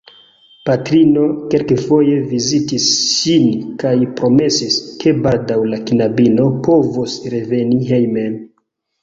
Patrino kelkfoje vizitis ŝin kaj promesis, ke baldaŭ la knabino povos reveni hejmen.